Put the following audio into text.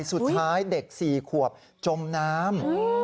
สุดท้ายเด็ก๔ขวบจมน้ำ